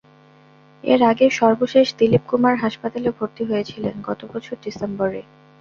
এর আগে সর্বশেষ দিলীপ কুমার হাসপাতালে ভর্তি হয়েছিলেন গত বছর ডিসেম্বরে।